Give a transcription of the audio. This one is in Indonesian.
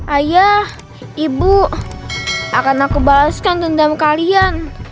ayah ibu akan aku balaskan dendam kalian